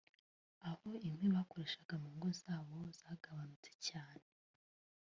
aho inkwi bakoresha mu ngo zabo zagabanute cyane